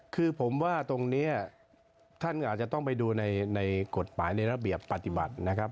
คือผมว่าตรงนี้ท่านก็อาจจะต้องไปดูในกฎหมายในระเบียบปฏิบัตินะครับ